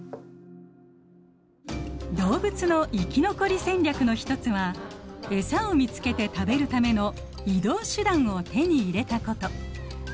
動物の生き残り戦略の一つはエサを見つけて食べるための移動手段を手に入れたこと。